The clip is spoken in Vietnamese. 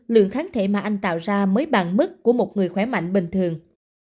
lượng kháng thể mà anh tạo ra mới bằng mức của một người khỏe mạnh bình thường